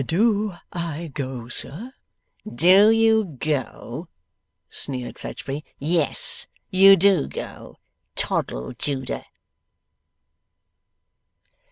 'Do I go, sir?' 'Do you go?' sneered Fledgeby. 'Yes, you do go. Toddle, Judah!